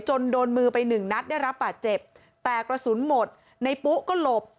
โดนมือไปหนึ่งนัดได้รับบาดเจ็บแต่กระสุนหมดในปุ๊ก็หลบ